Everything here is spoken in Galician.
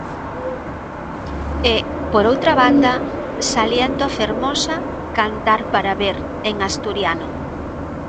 E, por outra banda, saliento a fermosa "Cantar para Ver", en asturiano.